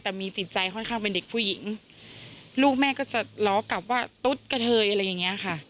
แต่มีจิตใจค่อนข้างเป็นเด็กผู้หญิงลูกแม่ก็จะล้อกลับว่าตุ๊ดกระเทยอะไรอย่างเงี้ยค่ะ